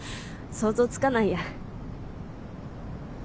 想像つかないや。